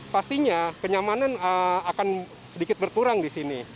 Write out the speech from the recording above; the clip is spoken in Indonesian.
pastinya kenyamanan akan sedikit berkurang di sini